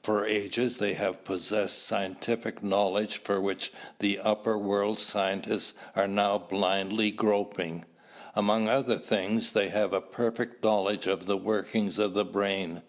For ages they have possessed scientific knowledge for which the upper world scientists are now blindly groping. Among other things, they have a perfect knowledge of the workings of the brain.